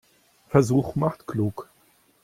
Versuch macht klug.